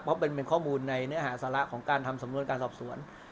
เพราะเป็นข้อมูลในเนื้อหาสาระของการทำสำนวนการสอบสวน